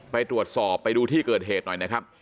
ไปตรวจสอบไปดูที่เกิดเหตุหน่อยนะครับ